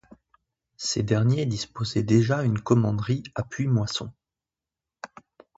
Ces derniers disposaient déjà une commanderie à Puimoisson.